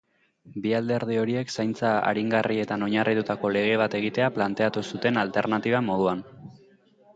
Bi alderdi horiek zaintza aringarrietan oinarritutako lege bat egitea planteatu zuten alternatiba moduan.